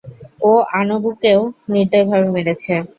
ও আনবুকেও নির্দয়ভাবে মেরেছে।